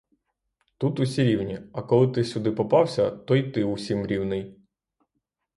Тут усі рівні, а коли ти сюди попався, то й ти усім рівний.